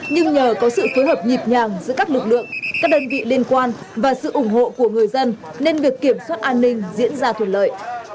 nhưng nhờ có sự phối hợp nhịp nhàng giữa các lực lượng các đơn vị liên quan và sự ủng hộ của người dân nên việc kiểm soát an ninh diễn ra thuận lợi